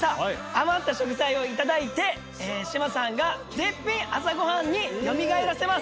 余った食材を頂いて志麻さんが絶品朝ごはんによみがえらせます。